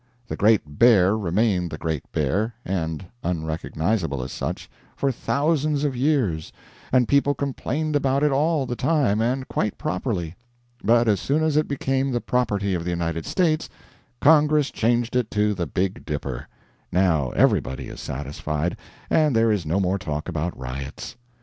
The Great Bear remained the Great Bear and unrecognizable as such for thousands of years; and people complained about it all the time, and quite properly; but as soon as it became the property of the United States, Congress changed it to the Big Dipper, and now every body is satisfied, and there is no more talk about riots.